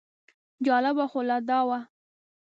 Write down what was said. جالبه خو لا دا وه.